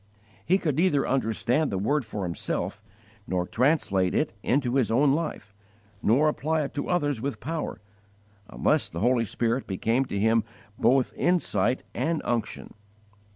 He could neither understand the Word for himself, nor translate it into his own life, nor apply it to others with power, unless the Holy Spirit became to him both insight and _unction.